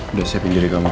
udah siapin jari kamu